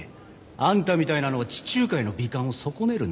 あんたみたいなのは地中海の美観を損ねるんだよ。